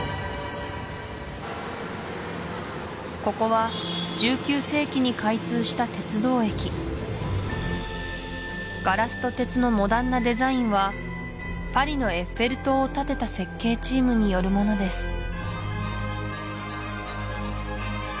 ここは１９世紀に開通した鉄道駅ガラスと鉄のモダンなデザインはパリのエッフェル塔を建てた設計チームによるものです